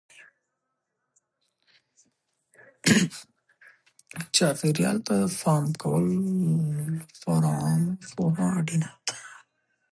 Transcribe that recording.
چاپیریال ته د پام کولو لپاره عامه پوهاوی اړین دی.